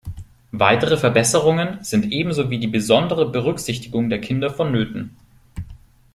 Weitere Verbesserungen sind ebenso wie die besondere Berücksichtigung der Kinder vonnöten.